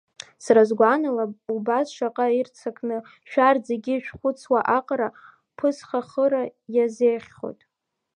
Сара сгәанала, убас шаҟа ирццакны шәарҭ зегьы шәхәыцуа аҟара Ԥысҳахыра иазеиӷьхоит.